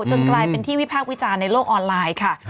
จนกลายเป็นที่วิพากษ์วิจารณ์ในโลกออนไลน์ค่ะ